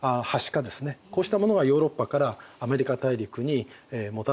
こうしたものはヨーロッパからアメリカ大陸にもたらされた。